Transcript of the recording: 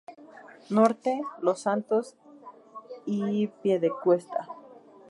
Norte: Los Santos y Piedecuesta.